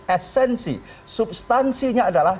esensi substansinya adalah